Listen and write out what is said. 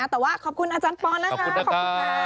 แต่ว่าขอบคุณอาจารย์ปอนนะคะขอบคุณค่ะ